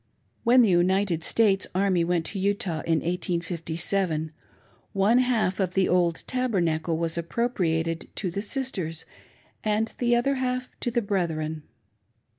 When the United States army went to Utah, in 1857, oiie half of the old Tabernacle was appropriated to the sisteiSj and the other half to the brethren.